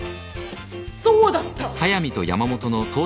そうだった。